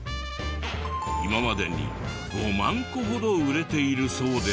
今までに５万個ほど売れているそうです。